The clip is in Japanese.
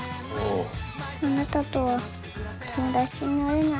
あなたとは友達になれない。